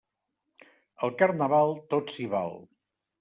Al Carnaval, tot s'hi val.